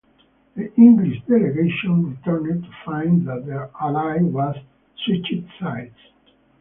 The English delegation returned to find that their ally had switched sides.